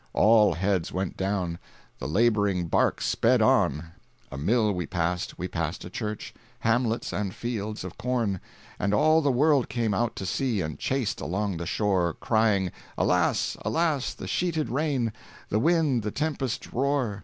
all heads went down, The laboring bark sped on; A mill we passed, we passed church, Hamlets, and fields of corn; And all the world came out to see, And chased along the shore Crying, "Alas, alas, the sheeted rain, The wind, the tempest's roar!